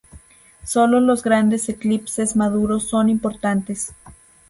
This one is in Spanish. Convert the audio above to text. Solo los grandes eclipses maduros son importantes.